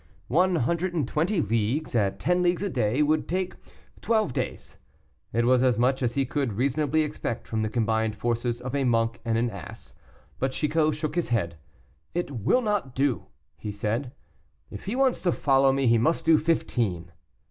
"One hundred and twenty leagues, at ten leagues a day, would take twelve days." It was as much as he could reasonably expect from the combined forces of a monk and an ass. But Chicot shook his head. "It will not do," he said, "if he wants to follow me, he must do fifteen."